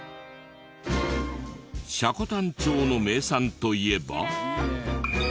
積丹町の名産といえば。